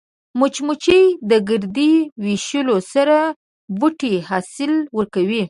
مچمچۍ د ګردې ویشلو سره بوټي حاصل ورکوي